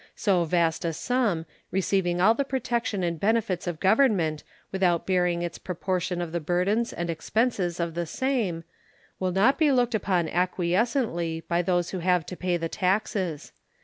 So vast a sum, receiving all the protection and benefits of Government without bearing its proportion of the burdens and expenses of the same, will not be looked upon acquiescently by those who have to pay the taxes.